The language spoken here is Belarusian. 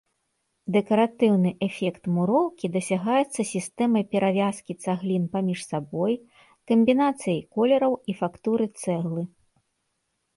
Дэкаратыўны эфект муроўкі дасягаецца сістэмай перавязкі цаглін паміж сабой, камбінацыяй колераў і фактуры цэглы.